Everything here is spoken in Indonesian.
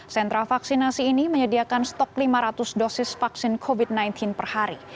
sentra vaksinasi ini menyediakan stok lima ratus dosis vaksin covid sembilan belas per hari